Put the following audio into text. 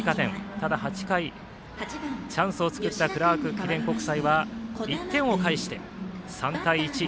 ただ８回チャンスを作ったクラーク記念国際は１点を返して、３対１。